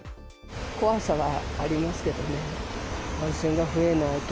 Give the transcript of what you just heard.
怖さはありますけどね。